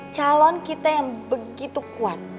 calon kita yang begitu kuat